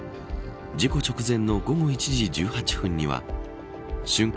事故直前の午後１時１８分には瞬間